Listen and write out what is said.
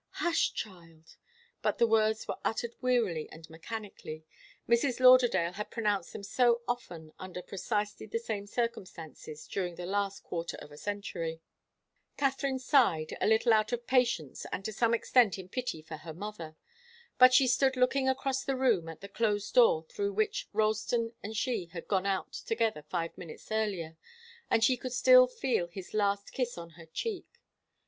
"Hush, child!" But the words were uttered wearily and mechanically Mrs. Lauderdale had pronounced them so often under precisely the same circumstances during the last quarter of a century. Katharine sighed, a little out of impatience and to some extent in pity for her mother. But she stood looking across the room at the closed door through which Ralston and she had gone out together five minutes earlier, and she could still feel his last kiss on her cheek.